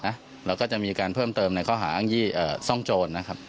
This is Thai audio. แล้วก็จะมีการเพิ่มเติมในข้อหาอ้างยี่ซ่องโจรนะครับ